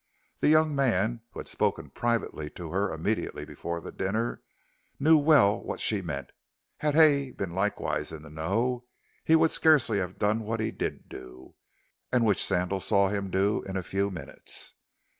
The young man, who had spoken privately to her immediately before the dinner, knew well what she meant. Had Hay been likewise "in the know," he would scarcely have done what he did do, and which Sandal saw him do in a few minutes.